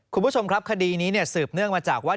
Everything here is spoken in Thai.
คุณผู้ชมครับคดีนี้สืบเนื่องมาจากว่า